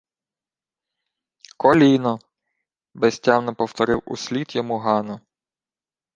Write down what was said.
— Коліно, — безтямно повторив услід йому Гано.